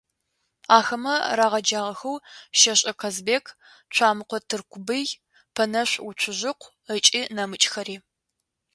Ахэмэ рагъэджагъэхэу ЩэшӀэ Казбек, Цуамыкъо Тыркубый, Пэнэшъу Уцужьыкъу ыкӏи нэмыкӏхэри.